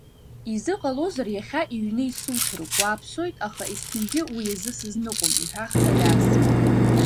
Изыҟалозар, иахьа иҩны исуҭароуп, уааԥсоит, аха есқьынгьы уи азы сызныҟәом, иҳәахт Алиас.